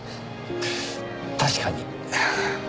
確かに。